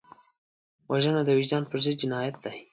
وژنه د وجدان پر ضد جنایت دی